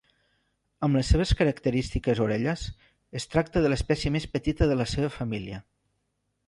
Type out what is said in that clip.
Amb les seves característiques orelles, es tracta de l'espècie més petita de la seva família.